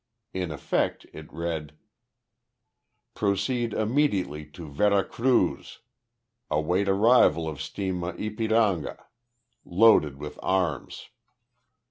In effect, it read: Proceed immediately to Vera Cruz. Await arrival of steamer Ypiranga, loaded with arms.